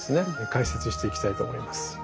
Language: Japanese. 解説していきたいと思います。